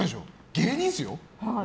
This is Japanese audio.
芸人ですよ？